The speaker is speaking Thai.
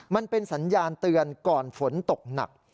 มันเป็นสัญญาณเตือนก่อนฝนตกหนัก